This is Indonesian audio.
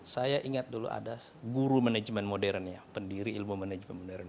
saya ingat dulu ada guru manajemen modernnya pendiri ilmu manajemen modern